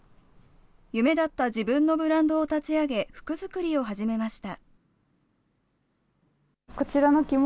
夢だった自分のブランドを立ち上げ、服作りを始めました。